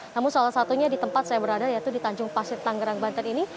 namun salah satunya di tempat saya berada yaitu di tanjung pasir tanggerang banten ini